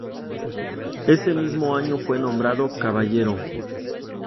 Ese mismo año fue nombrado caballero.